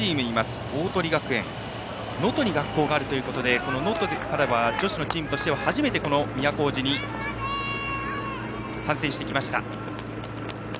鵬学園、能登に学校があるということで能登からは女子のチームとしては初めて都大路に参戦しました。